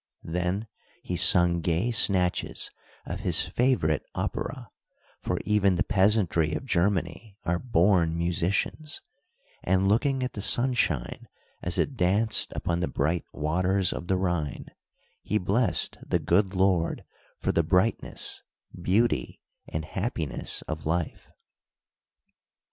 Then he sung gay snatches of his favorite opera—for even the peasantry of Germany are born musicians—and, looking at the sunshine as it danced upon the bright waters of the Rhine, he blessed the good Lord for the brightness, beauty, and happiness of life.